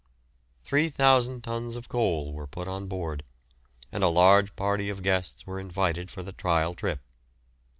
Three thousand tons of coal were put on board, and a large party of guests were invited for the trial trip.